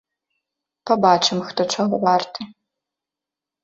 Пабачым, хто чаго варты!